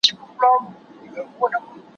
وروسته وار سو د قاضى د وزيرانو